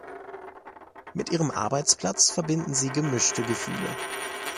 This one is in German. Mit ihrem Arbeitsplatz verbinden sie gemischte Gefühle.